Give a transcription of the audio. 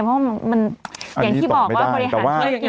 เพราะมันอย่างที่บอกว่าบริหารธุรกิจ